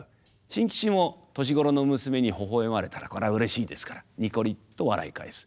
新吉も年頃の娘にほほ笑まれたらこれはうれしいですからニコリと笑い返す。